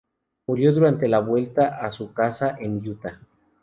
Murió durante la vuelta a su casa, en Utah.